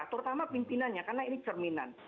terutama pimpinannya karena ini cerminan